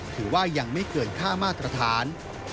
ถือว่ายังไม่เกินค่ามาตรฐาน